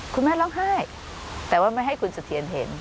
คุณแม่ร้องไห้แต่ว่าไม่ให้คุณสะเทียนเห็น